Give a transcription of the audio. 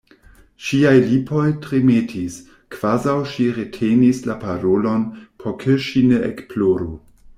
Ŝiaj lipoj tremetis, kvazaŭ ŝi retenis la parolon, por ke ŝi ne ekploru.